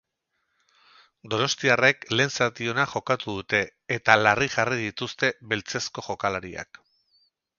Donostiarrek lehen zati ona jokatu dute eta larri jarri dituzte beltzezko jokalariak.